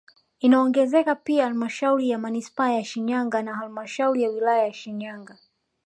Inaongezeka pia halmashauri ya manispaa ya Shinyanga na halmasdhauri ya wilaya ya Shinyanga